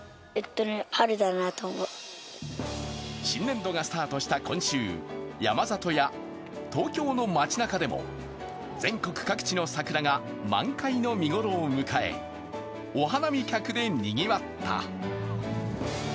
新年度がスタートした今週、山里や東京の街中でも全国各地の桜が満開の見頃を迎え、お花見客でにぎわった。